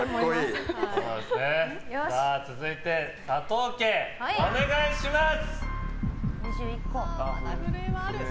続いて佐藤家、お願いします。